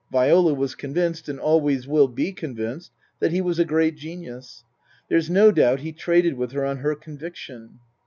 Viola was convinced, and always will be convinced, that he was a great genius. (There's no doubt he traded with her on her conviction.